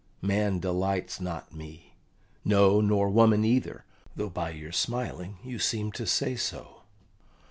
Man delights not me no, nor woman either, though by your smiling you seem to say so."